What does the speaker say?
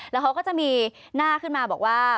แล้วเขาก็จะมีหน้าขึ้นมาบอกว่า